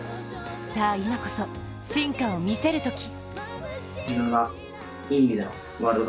さあ、今こそ真価を見せるとき。